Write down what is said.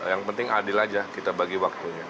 yang penting adil aja kita bagi waktunya